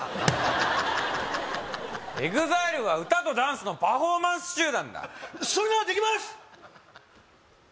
ハハハハハＥＸＩＬＥは歌とダンスのパフォーマンス集団だそれはできます！